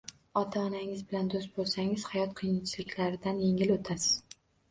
Ota-onangiz bilan do‘st bo‘lsangiz hayot qiyinchiliklaridan yengil o‘tasiz.